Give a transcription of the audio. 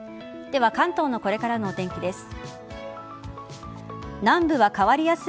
では関東のこれからのお天気です。